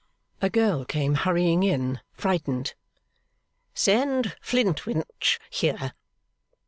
A girl came hurrying in, frightened. 'Send Flintwinch here!